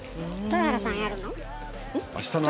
豊原さんがやるの？